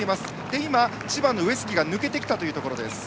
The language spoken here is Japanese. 今、千葉の上杉が抜けてきたというところです。